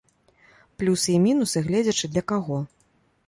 Плюсы і мінусы, гледзячы для каго.